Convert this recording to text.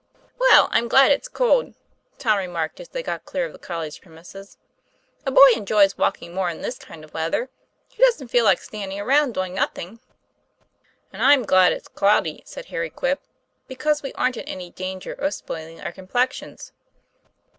"Well, I'm glad it's cold," Tom remarked as they got clear of the college premises. ' A boy enjoys walking more in this kind of weather. He doesn't feel like standing around doing nothing." "And I'm glad it's cloudy," said Harry Quip, " because we aren't in any danger of spoiling our complexions."